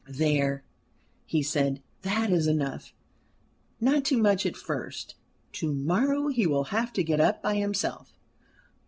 "There," he said, "that is enough. Not too much at first. To morrow he will have to get up by himself.